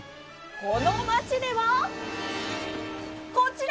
この町ではこちら！